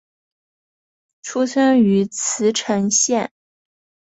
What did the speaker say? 出身于茨城县。